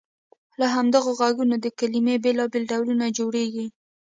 له همدغو غږونو د کلمې بېلابېل ډولونه جوړیږي.